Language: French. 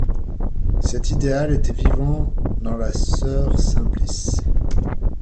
Cet idéal était vivant dans la sœur Simplice.